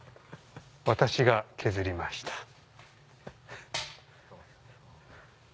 私が削りました。